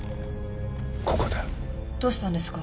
ここだどうしたんですか？